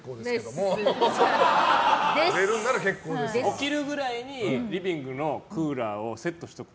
起きるぐらいにリビングのクーラーをセットしとく。